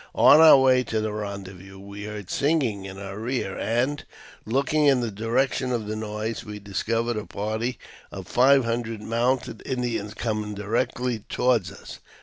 On our way to the rendezvous we heard singing in our rear, and, looking in the direction of the noise, we discovered a party of five hundred mounted Indians coming directly towards us.